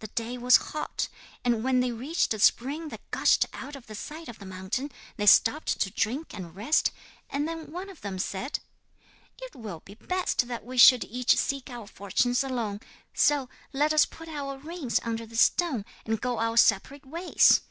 The day was hot, and when they reached a spring that gushed out of the side of the mountain, they stopped to drink and rest, and then one of them said: '"It will be best that we should each seek our fortunes alone; so let us put our rings under this stone, and go our separate ways.